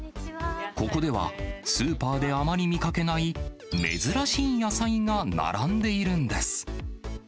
ここでは、スーパーであまり見かけない珍しい野菜が並んでいるんです。